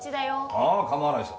ああ構わないさ。